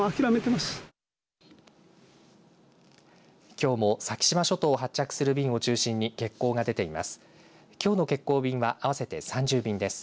きょうも先島諸島を発着する便を中心に、欠航が出ています。